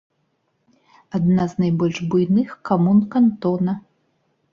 Адна з найбольш буйных камун кантона.